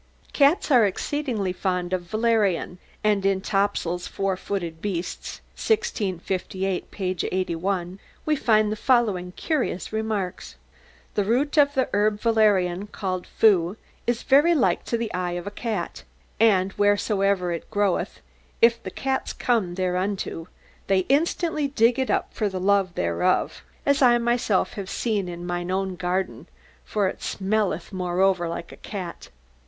"Cats are exceedingly fond of valerian (V. officinalis), and in Topsell's 'Four footed Beasts' (1658, p. 81), we find the following curious remarks: 'The root of the herb valerian (called Phu), is very like to the eye of a cat, and wheresoever it groweth, if cats come thereunto, they instantly dig it up for the love thereof, as I myself have seen in mine own garden, for it smelleth moreover like a cat.'